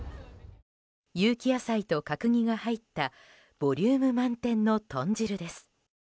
有機野菜と角煮が入ったボリューム満点の豚汁です。